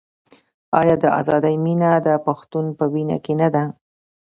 آیا د ازادۍ مینه د پښتون په وینه کې نه ده؟